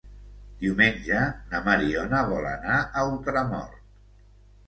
Diumenge na Mariona vol anar a Ultramort.